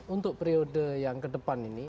untuk periode yang kedepan ini